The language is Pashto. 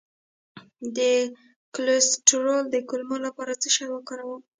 د کولیسټرول د کمولو لپاره څه شی وکاروم؟